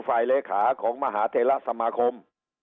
ฝ่ายเลขาของมหาเทลสมาคม